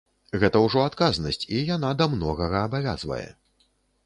Гэта ўжо адказнасць і яна да многага абавязвае.